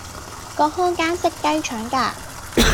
個看更識雞腸㗎